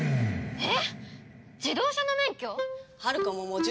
えっ。